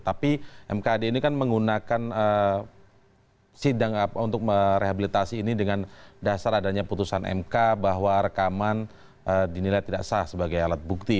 tapi mkd ini kan menggunakan sidang untuk merehabilitasi ini dengan dasar adanya putusan mk bahwa rekaman dinilai tidak sah sebagai alat bukti